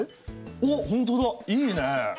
おっ本当だいいね。